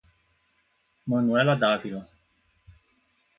Manuela D'Ávila